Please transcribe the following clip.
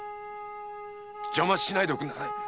邪魔しないでおくんなせぇ。